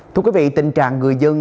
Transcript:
thưa quý vị tình trạng người dân